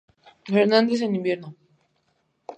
Fernández en invierno.